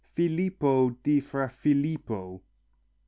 Filippo di Fra Filippo.